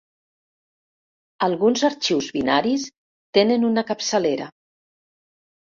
Alguns arxius binaris tenen una capçalera.